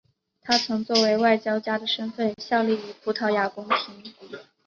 他曾作为外交家的身份效力于葡萄牙宫廷。